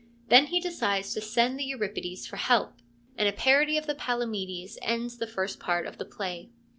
He then decides to send to Euripides for help, and a parody of the Palamedes ends the first part of the play.